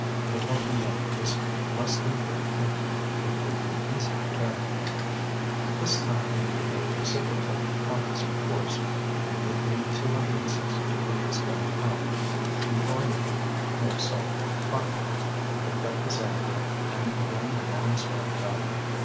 The total length was less than three feet. It would be easy to carry. This time he needed a reciprocal compass course. It would be 260 degrees going out. He oriented himself properly, picked up the cylinder, and began the long swim back.